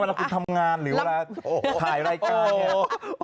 เวลาคุณทำงานหรือเวลาถ่ายรายการเนี่ย